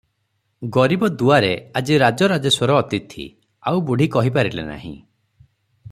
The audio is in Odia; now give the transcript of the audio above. ଗରିବ ଦୁଆରେ ଆଜି ରାଜରାଜେଶ୍ୱର ଅତିଥି- ଆଉ ବୁଢ଼ୀ କହିପାରିଲେ ନାହିଁ ।